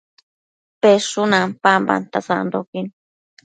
peshun ampambanta sandoquin